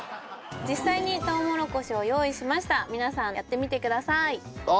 実際にとうもろこしを用意しました皆さんやってみてくださいああ